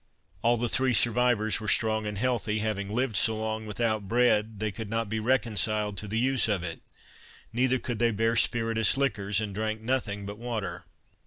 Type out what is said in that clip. All the three survivors were strong and healthy; having lived so long without bread, they could not be reconciled to the use of it; neither could they bear spirituous liquors, and drank nothing but water.